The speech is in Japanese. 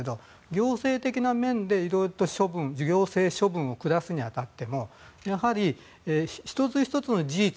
行政的な面で色々と行政処分を下すに当たってもやはり、１つ１つの事実